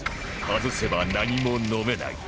外せば何も飲めない